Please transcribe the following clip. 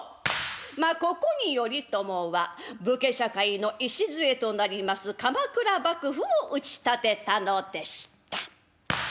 まあここに頼朝は武家社会の礎となります鎌倉幕府を打ち立てたのでした。